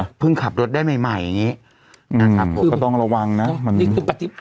อ่าพึ่งขับรถได้ใหม่ใหม่อย่างงี้อืมต้องระวังนะนี่คือปฏิ